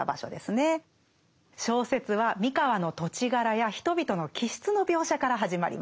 小説は三河の土地柄や人々の気質の描写から始まります。